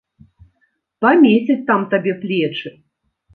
Памесяць там табе плечы.